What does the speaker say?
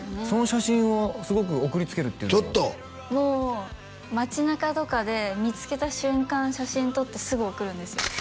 その写真をすごく送りつけるっていうのをちょっともう街なかとかで見つけた瞬間写真撮ってすぐ送るんですよ